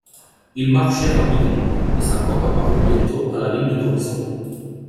Il marchait rapidement, et sa coque apparut bientôt à la ligne d’horizon.